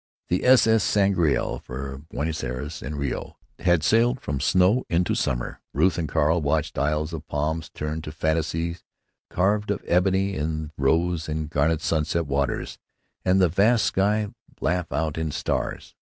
The S.S. Sangrael, for Buenos Ayres and Rio, had sailed from snow into summer. Ruth and Carl watched isles of palms turn to fantasies carved of ebony, in the rose and garnet sunset waters, and the vast sky laugh out in stars.